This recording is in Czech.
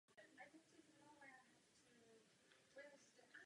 Tato událost pak také zejména silně poškodila víru izraelské levice v mírový proces.